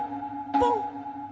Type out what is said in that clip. ポン！